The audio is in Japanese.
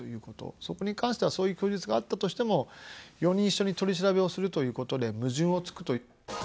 そこに関してはそういう供述があったとしても、４人一緒に取り調べをするということで、矛盾をつくという。